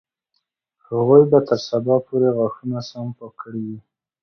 هغوی به تر سبا پورې غاښونه سم پاک کړي وي.